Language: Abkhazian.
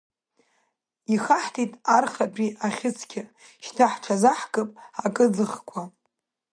Ихаҳтит архатәи ахьы-цқьа, шьҭа ҳҽырзаҳкып акыӡӷқәа.